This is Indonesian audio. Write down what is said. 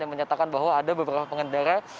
yang menyatakan bahwa ada beberapa pengendara